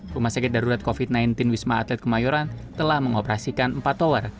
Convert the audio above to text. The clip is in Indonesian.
rumah sakit darurat covid sembilan belas wisma atlet kemayoran telah mengoperasikan empat tower